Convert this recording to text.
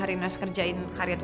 kamu baca semua buku itu